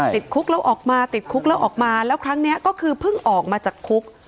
ติดคุกแล้วออกมาติดคุกแล้วออกมาแล้วครั้งนี้ก็คือเพิ่งออกมาจากคุก